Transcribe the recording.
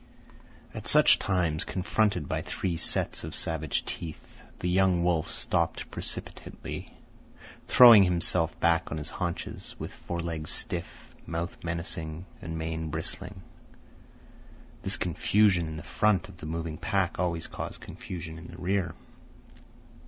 At such times, confronted by three sets of savage teeth, the young wolf stopped precipitately, throwing himself back on his haunches, with fore legs stiff, mouth menacing, and mane bristling. This confusion in the front of the moving pack always caused confusion in the rear.